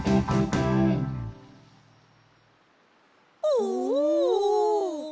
おお！